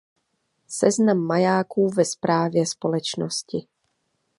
Seznam majáků ve správě společnosti.